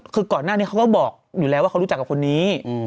คือก่อนหน้านี้เขาก็บอกอยู่แล้วว่าเขารู้จักกับคนนี้